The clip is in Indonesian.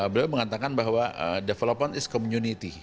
beliau mengatakan bahwa development is community